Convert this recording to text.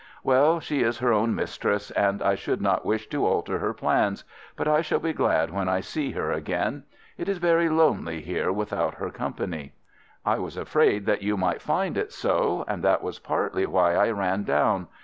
"Well, she is her own mistress, and I should not wish to alter her plans, but I shall be glad when I see her again. It is very lonely here without her company." "I was afraid that you might find it so, and that was partly why I ran down.